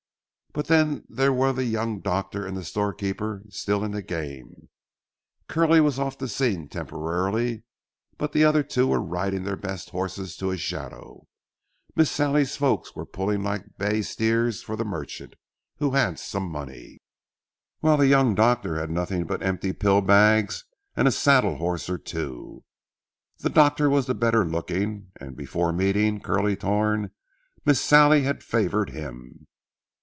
"But then there were the young doctor and the storekeeper still in the game. Curly was off the scene temporarily, but the other two were riding their best horses to a shadow. Miss Sallie's folks were pulling like bay steers for the merchant, who had some money, while the young doctor had nothing but empty pill bags and a saddle horse or two. The doctor was the better looking, and, before meeting Curly Thorn, Miss Sallie had favored him.